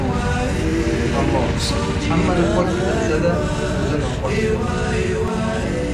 • Hammom hammani pok qilsa-da, o‘zi nopokdir.